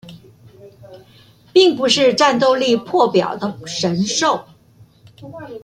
並不是戰鬥力破表的神獸